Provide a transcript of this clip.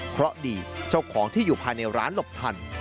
เพราะดีเจ้าของที่อยู่ภายในร้านหลบทัน